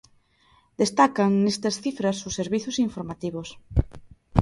Destacan nestas cifras os servizos informativos.